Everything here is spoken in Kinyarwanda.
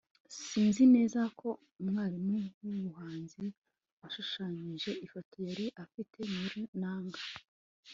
sinzi neza ko umwarimu wubuhanzi washushanyije ifoto yari afite mr nanga